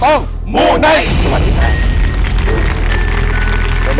ต้องหมู่ในวันนี้นะครับ